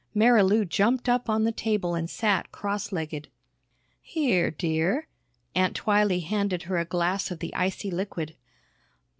Marilou jumped up on the table and sat cross legged. "Here, dear." Aunt Twylee handed her a glass of the icy liquid.